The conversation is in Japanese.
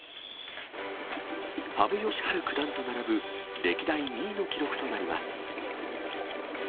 羽生善治九段と並ぶ歴代２位の記録となります。